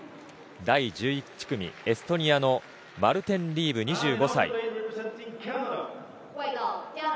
第１１組、エストニアのマルテン・リーブ、２５歳。